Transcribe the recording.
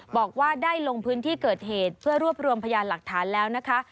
บอกว่าได้ลงพื้นที่เกิดเหตุเพื่อรวบรวมพยานหลักฐานแล้วนะคะ